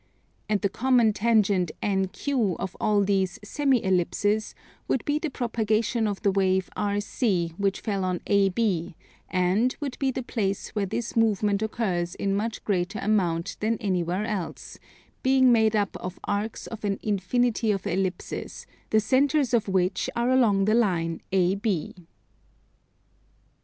And the common tangent NQ of all these semi ellipses would be the propagation of the wave RC which fell on AB, and would be the place where this movement occurs in much greater amount than anywhere else, being made up of arcs of an infinity of ellipses, the centres of which are along the line AB. 24.